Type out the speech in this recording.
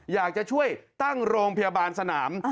อยากจะช่วยตั้งโรงพยาบาลสนาม